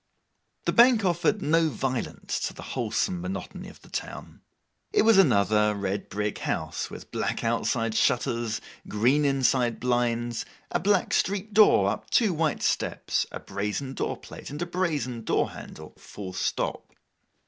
The Bank offered no violence to the wholesome monotony of the town. It was another red brick house, with black outside shutters, green inside blinds, a black street door up two white steps, a brazen door plate, and a brazen door handle full stop.